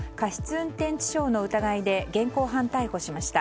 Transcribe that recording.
運転致傷の疑いで現行犯逮捕しました。